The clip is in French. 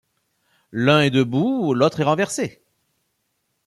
L'un est debout, l'autre est renversé.